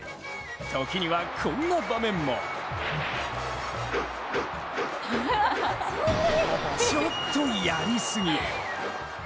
時にはこんな場面もちょっとやりすぎ。